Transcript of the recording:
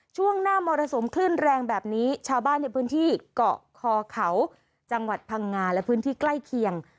ช่วงหน้ามรสุมคลื่นแรงแบบนี้ชาวบ้านในพื้นที่เกาะคอเขาจังหวัดพังงาและพื้นที่ใกล้เคียง